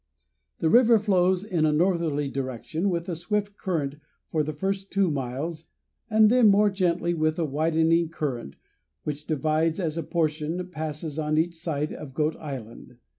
The river flows in a northerly direction with a swift current for the first two miles and then more gently, with a widening current, which divides as a portion passes on each side of Goat Island.